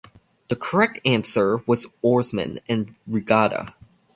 The correct answer was "oarsman" and "regatta".